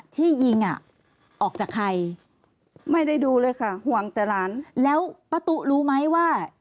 ที่ยิงอ่ะออกจากใครไม่ได้ดูเลยค่ะห่วงแต่หลานแล้วป้าตุ๊รู้ไหมว่า